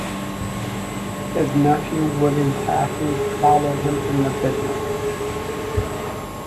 His nephew William Tassie followed him in the business.